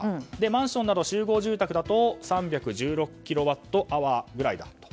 マンションなど集合住宅だと３１６キロワットアワーぐらいと。